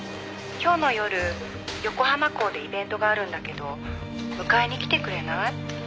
「今日の夜横浜港でイベントがあるんだけど迎えに来てくれない？